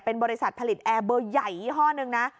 เป็นบริษัทผลิตแอร์เบอร์ใหญ่ยี่ห้อหนึ่งนะ